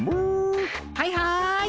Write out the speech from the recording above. はいはい。